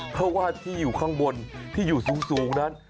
เพราะว่าที่อยู่ข้างบนที่อยู่สูงนั้น